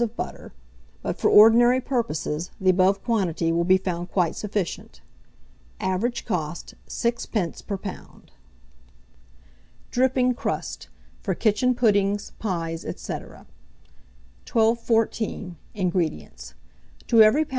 of butter; but, for ordinary purposes, the above quantity will be found quite sufficient. Average cost, 6d. per lb. DRIPPING CRUST, for Kitchen Puddings, Pies, &c. 1214. INGREDIENTS. To every lb.